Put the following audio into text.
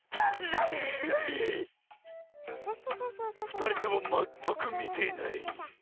ふたりともまったくみていない。